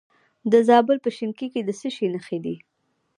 د زابل په شینکۍ کې د څه شي نښې دي؟